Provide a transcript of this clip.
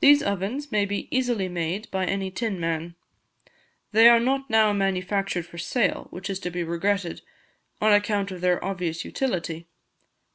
These ovens may be easily made by any tin man. They are not now manufactured for sale, which is to be regretted, on account of their obvious utility.